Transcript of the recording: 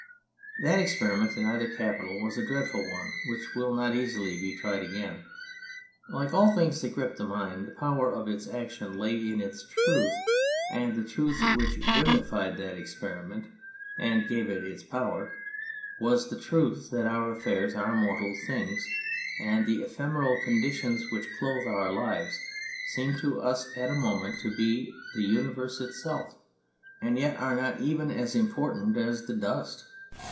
That experiment in either capital was a dreadful one, which will not easily be tried again. Like all things that grip the mind, the power of its action lay in its truth, and the truth which vivified that experi ment and gave it its power was the truth that our affairs are mortal things, and the ephemeral conditions which clothe our lives seem to us at a moment to be the universe itself, and yet are not even as important as the dust.